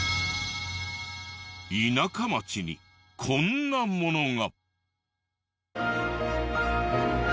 田舎町にこんなものが。